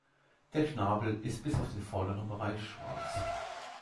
Der Schnabel ist bis auf den vorderen Bereich schwarz.